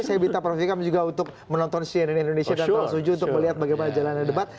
saya minta prof ikam juga untuk menonton cnn indonesia dan bang suju untuk melihat bagaimana jalannya debat